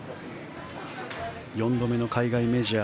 ４度目の海外メジャー。